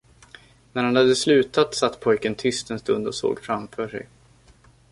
När han hade slutat, satt pojken tyst en stund och såg framför sig.